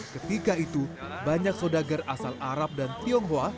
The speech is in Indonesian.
ketika itu banyak sodagar asal arab dan tionghoa